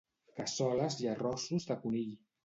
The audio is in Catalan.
Cassoles i arrossos de conill